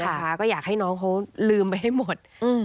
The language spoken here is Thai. ก็อยากให้น้องเขาลืมไปให้หมด